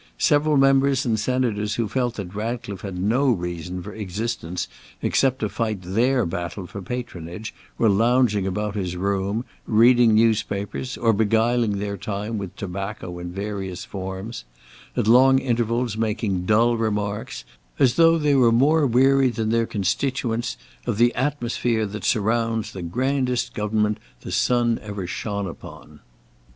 Several members and senators who felt that Ratcliffe had no reason for existence except to fight their battle for patronage, were lounging about his room, reading newspapers, or beguiling their time with tobacco in various forms; at long intervals making dull remarks, as though they were more weary than their constituents of the atmosphere that surrounds the grandest government the sun ever shone upon.